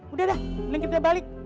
udah dah mending kita balik